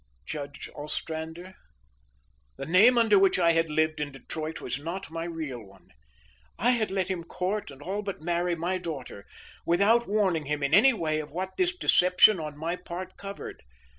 Judge Ostrander, the name under which I had lived in Detroit was not my real one. I had let him court and all but marry my daughter, without warning him in any way of what this deception on my part covered.